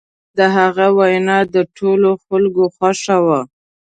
د هغه وینا د ټولو خلکو خوښه وه.